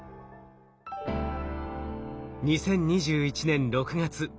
２０２１年６月。